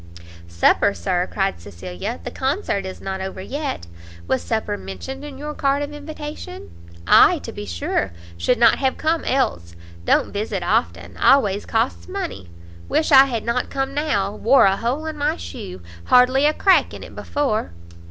"Supper, Sir?" cried Cecilia; "the Concert is not over yet. Was supper mentioned in your card of invitation?" "Ay, to be sure, should not have come else. Don't visit often; always costs money. Wish I had not come now; wore a hole in my shoe; hardly a crack in it before."